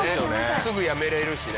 すぐやめられるしね。